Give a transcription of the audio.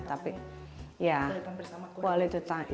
tapi ya quality time